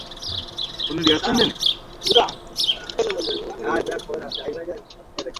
এই তো একটু বাইরে দেখবে আমরা তোমার আগে ঘরে পৌঁছে যাবো হুম।